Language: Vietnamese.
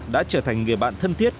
đã trở thành người bạn thân thiết